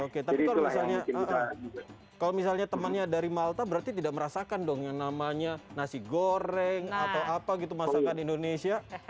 oke tapi kalau misalnya temannya dari malta berarti tidak merasakan dong yang namanya nasi goreng atau apa gitu masakan indonesia